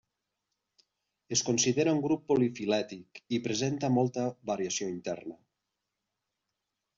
Es considera un grup polifilètic i presenta molta variació interna.